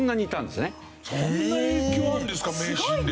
そんな影響あるんですか迷信で。